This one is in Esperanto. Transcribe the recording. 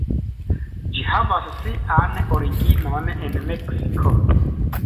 Ĝi havas sian originon en Meksiko.